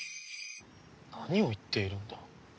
何を言っているんだ？